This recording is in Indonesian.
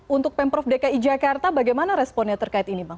untuk pemprov dki jakarta bagaimana responnya terkait ini bang